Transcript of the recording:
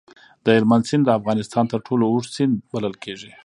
د هلمند سیند د افغانستان تر ټولو اوږد سیند بلل کېږي.